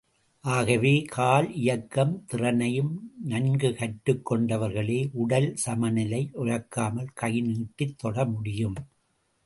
ஆகவே, கால் இயக்கும் திறனையும் நன்கு கற்றுக் கொண்டவர்களே, உடல் சமநிலை இழக்காமல் கைநீட்டித் தொட முடியும்.